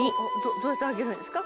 どうやってあげるんですか？